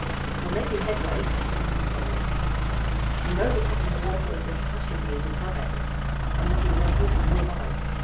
"We're making headway," he cried. "We know the probable author of the catastrophe is a drug addict and that he is located nearby.